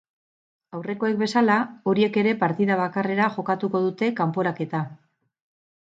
Aurrekoek bezala, horiek ere partida bakarrera jokatuko dute kanporaketa.